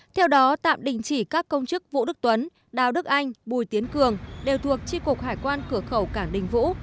theo đó tạm đình chỉ các công chức vũ đức tuấn đào đức anh bùi tiến cường đều thuộc tri cục hải quan cửa khẩu cảng đình vũ